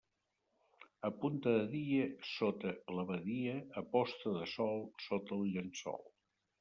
A punta de dia sota l'abadia, a posta de sol sota el llençol.